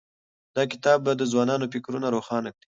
دا کتاب به د ځوانانو فکرونه روښانه کړي.